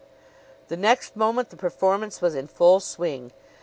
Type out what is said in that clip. The next moment the performance was in full swing.